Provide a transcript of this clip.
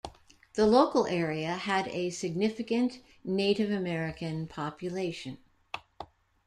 The local area had a significant Native American population.